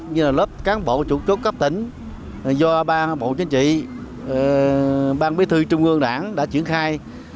như là lớp cán bộ chủ chốt cấp tỉnh do ba bộ chính trị ban bí thư trung ương đảng đã triển khai